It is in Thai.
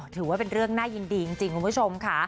ถือว่าเป็นเรื่องน่ายินดีจริงคุณผู้ชมค่ะ